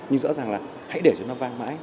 nhưng rõ ràng là hãy để cho nó vang mãi